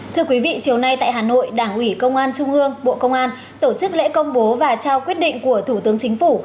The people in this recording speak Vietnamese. thưa quý vị chiều nay tại hà nội đảng ủy công an trung ương bộ công an tổ chức lễ công bố và trao quyết định của thủ tướng chính phủ